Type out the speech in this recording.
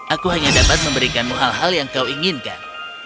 aku hanya dapat memberikanmu hal hal yang kau inginkan